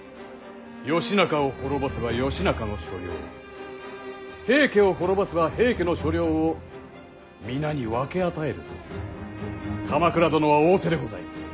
義仲を滅ぼせば義仲の所領平家を滅ぼせば平家の所領を皆に分け与えると鎌倉殿は仰せでございます。